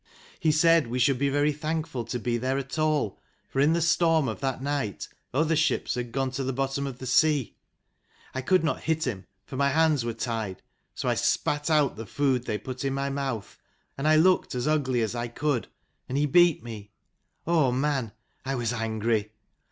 He said we should be very thankful to be there at all, for in the storm of that night other ships had gone to the bottom of the sea. I could not hit him, for my hands were tied, so I spat out the food they put in my mouth, and I looked as ugly as I could ; and he beat me. Oh man, I was angry.